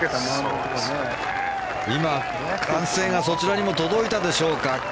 今、歓声がそちらにも届いたでしょうか。